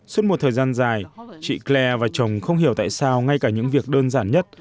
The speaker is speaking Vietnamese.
suốt một thời gian dài chị cle và chồng không hiểu tại sao ngay cả những việc đơn giản nhất